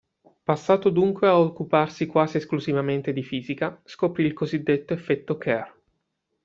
Passato dunque ad occuparsi quasi esclusivamente di fisica, scoprì il cosiddetto effetto Kerr.